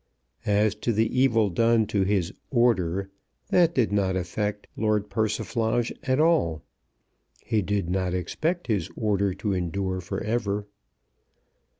As to the evil done to his "order," that did not affect Lord Persiflage at all. He did not expect his order to endure for ever.